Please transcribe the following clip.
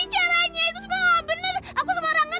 jadi bukan gini caranya itu semua benar